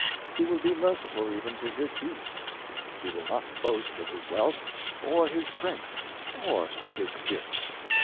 He will be merciful even to his beast. He will not boast of his wealth, or his strength, or his gifts.